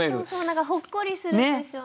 何かほっこりするんですよね。